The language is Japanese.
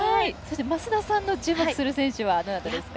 増田さんの注目する選手はどなたですか？